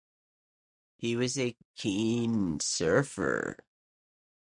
He was "a keen surfer".